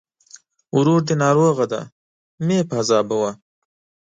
ورور دې ناروغه دی! مه يې پاذابوه.